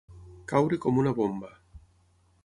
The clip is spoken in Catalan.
Caure com una bomba.